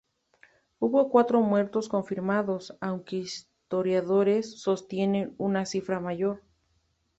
Hubo cuatro muertos confirmados, aunque historiadores sostienen una cifra mayor.